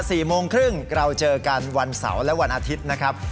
สี่โมงครึ่งเราเจอกันวันเสาร์และวันอาทิตย์นะครับ